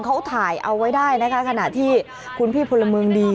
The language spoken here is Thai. เขาถ่ายเอาไว้ได้นะคะขณะที่คุณพี่พลเมืองดี